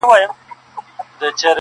داسي شرط زموږ په نصیب دی رسېدلی!!